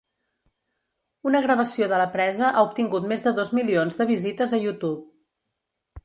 Una gravació de la presa ha obtingut més de dos milions de visites a YouTube.